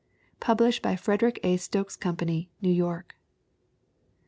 Published by Frederick A. Stokes Company, New York.